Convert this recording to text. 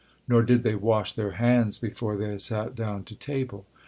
Nor did they wash their hands before they sat down to table.